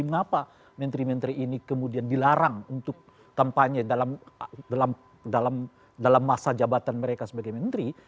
mengapa menteri menteri ini kemudian dilarang untuk kampanye dalam masa jabatan mereka sebagai menteri